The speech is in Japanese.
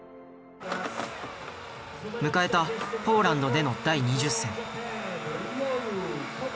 迎えたポーランドでの第２０戦。